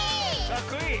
かっこいい！